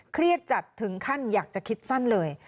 จัดถึงขั้นอยากจะคิดสั้นเลย